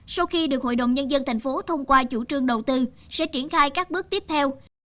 sau khi được hội đồng nhân dân thành phố thông qua chủ trương đầu tư sẽ triển khai các bước tiếp theo